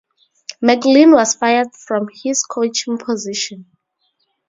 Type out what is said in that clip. MacLean was fired from his coaching position.